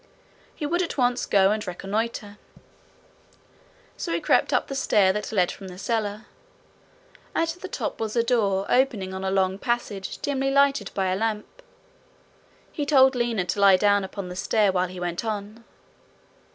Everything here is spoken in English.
He would go at once and reconnoitre. So he crept up the stair that led from the cellar. At the top was a door, opening on a long passage dimly lighted by a lamp. He told Lina to lie down upon the stair while he went on.